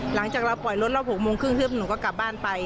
หลังจากเราปล่อยรถรอบ๖โมงครึ่งหนูก็กลับบ้านไป